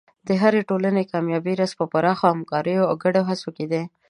د هرې ټولنې د کامیابۍ راز په پراخو همکاریو او ګډو هڅو کې دی.